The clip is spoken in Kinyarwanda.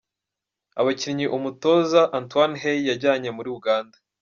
Abakinnyi umutoza Antoine Hey yajyanye muri Uganda.